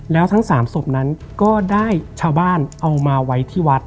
แล้วทั้ง๓ศพนั้นก็ได้ชาวบ้านเอามาไว้ที่วัด